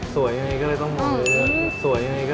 สวยอย่างนี้ก็เลยต้องมองเรือ